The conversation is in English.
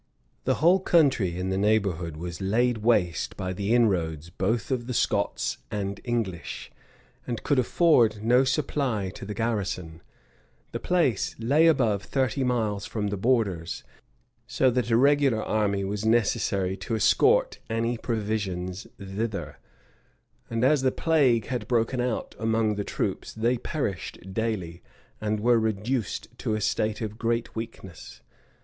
The whole country in the neighborhood was laid waste by the inroads both of the Scots and English, and could afford no supply to the garrison: the place lay above thirty miles from the borders; so that a regular army was necessary to escort any provisions thither: and as the plague had broken out among the troops, they perished daily, and were reduced to a state of great weakness.